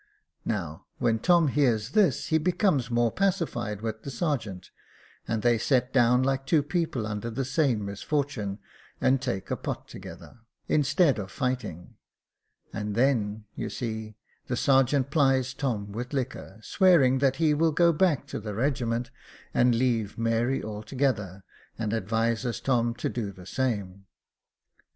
Now when Tom hears this, he becomes more pacified with the sergeant, and they set down like two people under the same misfortune, and take a pot together, Jacob Faithful 401 instead of fighting ; and then, you see, the sergeant plies Tom with liquor, swearing that he will go back to the regiment, and leave Mary altogether, and advises Tom to do the same.